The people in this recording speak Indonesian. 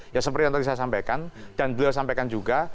ya seperti yang tadi saya sampaikan dan beliau sampaikan juga